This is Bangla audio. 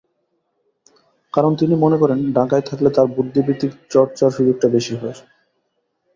কারণ, তিনি মনে করেন, ঢাকায় থাকলে তাঁর বুদ্ধিবৃত্তিক চর্চার সুযোগটা বেশি হয়।